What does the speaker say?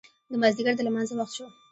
د مازدیګر د لمانځه وخت شو.